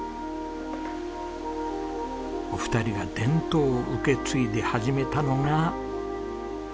お二人が伝統を受け継いで始めたのが。